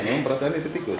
memang perasaan itu tikus